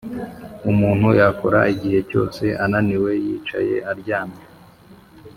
umuntu yakora igihe cyose, ananiwe, yicaye, aryamye